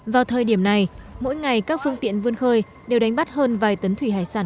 vào thời điểm này mỗi ngày các phương tiện vươn khơi đều đánh bắt hơn vài tấn thủy hải sản